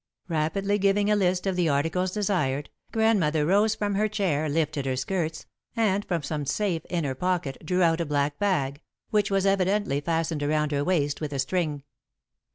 Rapidly giving a list of the articles desired, Grandmother rose from her chair, lifted her skirts, and from some safe inner pocket, drew out a black bag, which was evidently fastened around her waist with a string.